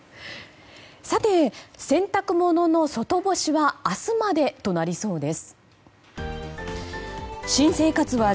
さて、洗濯物の外干しは明日までとなりそうです。